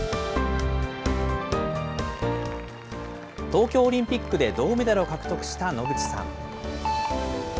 東京オリンピックで銅メダルを獲得した野口さん。